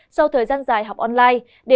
sau thời gian dài học sinh